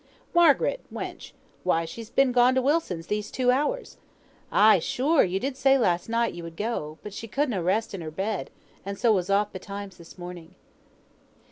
"Margaret, wench! why she's been gone to Wilson's these two hours. Ay! sure, you did say last night you would go; but she could na rest in her bed, so was off betimes this morning."